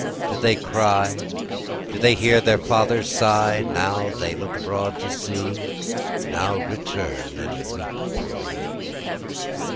do they cry, Do they hear their father sigh? Now they look abroad to see, Now return and weep for me.